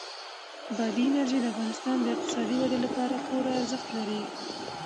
بادي انرژي د افغانستان د اقتصادي ودې لپاره پوره ارزښت لري.